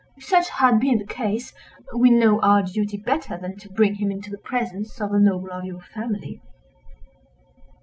If such had been the case, we know our duty better than to bring him into the presence of a noble of your family."